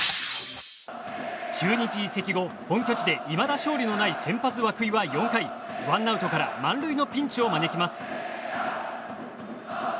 中日移籍後本拠地でいまだ勝利のない先発、涌井は４回ワンアウトから満塁のピンチを招きます。